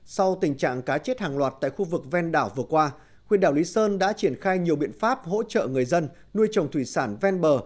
sau tình trạng cá chết hàng loạt tại khu vực ven đảo vừa qua huyện đảo lý sơn đã triển khai nhiều biện pháp hỗ trợ người dân nuôi trồng thủy sản ven bờ